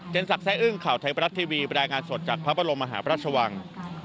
สักแซ่อึ้งข่าวไทยบรัฐทีวีบรรยายงานสดจากพระบรมมหาพระราชวัง